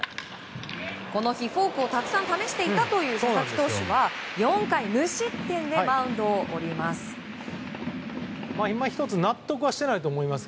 この日、フォークをたくさん試していた佐々木投手は４回無失点でマウンドを降ります。